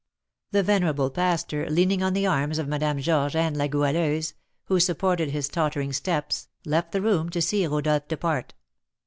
The venerable pastor, leaning on the arms of Madame Georges and La Goualeuse, who supported his tottering steps, left the room to see Rodolph depart.